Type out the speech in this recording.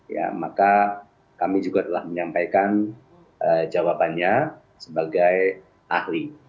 ya maka kami juga telah menyampaikan jawabannya sebagai ahli